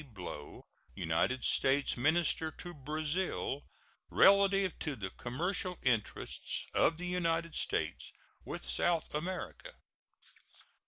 Blow, United States minister to Brazil, relative to the commercial interests of the United States with South America.